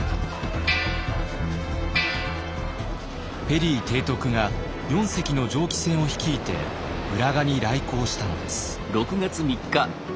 ペリー提督が４隻の蒸気船を率いて浦賀に来航したのです。